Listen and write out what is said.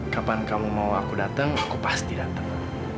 kapan kamu mau aku datang aku pasti datang